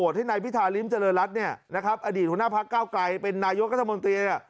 อดีตหัวหน้าภาคเก้าไกรเป็นนายุทธกัฎมันเตีย